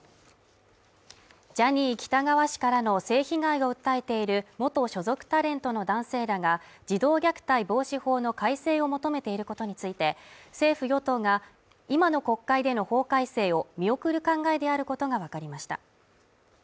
ジャニー喜多川氏からの性被害を訴えている元所属タレントの男性らが児童虐待防止法の改正を求めていることについて政府・与党が、今の国会での法改正を見送る考えであることがわかりました。